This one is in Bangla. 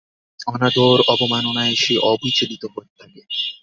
অনাদর-অবমাননায় সে অবিচলিত থাকে।